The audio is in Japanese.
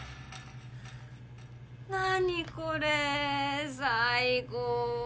何これ最高。